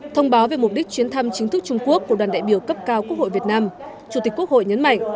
thông báo về mục đích chuyến thăm chính thức trung quốc của đoàn đại biểu cấp cao quốc hội việt nam chủ tịch quốc hội nhấn mạnh